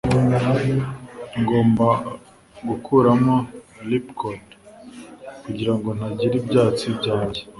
Ngomba gukuramo ripcord kugirango ntangire ibyatsi byanjye